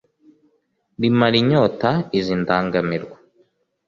rimara inyota iz'indangamirwa